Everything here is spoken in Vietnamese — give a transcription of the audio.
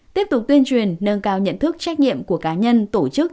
tiếp tục tuyên truyền nâng cao nhận thức trách nhiệm của cá nhân tổ chức